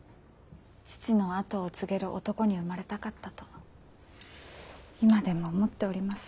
父の跡を継げる男に生まれたかったと今でも思っております。